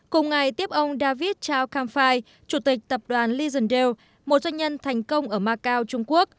cùng ngày tiếp ông david chao kamphai chủ tịch tập đoàn liesendale một doanh nhân thành công ở macau trung quốc